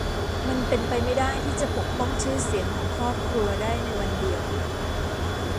มันเป็นไปไม่ได้ที่จะปกป้องชื่อเสียงของครอบครัวได้ในวันเดียว